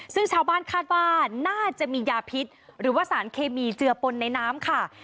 ซึ่งชาวบ้านคาดว่าน่าจะมียาพิษหรือว่าสารเคมีเจือปนในน้ำค่ะ